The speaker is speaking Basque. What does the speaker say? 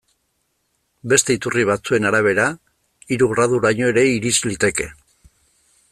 Beste iturri batzuen arabera, hiru graduraino ere irits liteke.